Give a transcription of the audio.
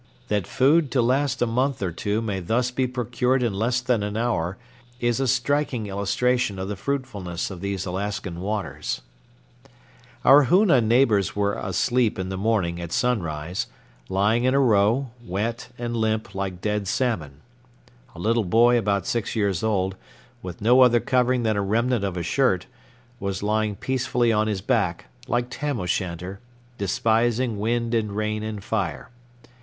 That food to last a month or two may thus be procured in less than an hour is a striking illustration of the fruitfulness of these Alaskan waters. [Illustration: Vegetation at High Tide Line, Sitka Harbor.] Our Hoona neighbors were asleep in the morning at sunrise, lying in a row, wet and limp like dead salmon. A little boy about six years old, with no other covering than a remnant of a shirt, was lying peacefully on his back, like Tam o' Shanter, despising wind and rain and fire.